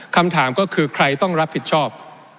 คำถามก็คือใครต้องรับผิดชอบ